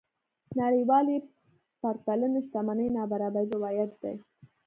نړيوالې پرتلنې شتمنۍ نابرابرۍ روايت دي.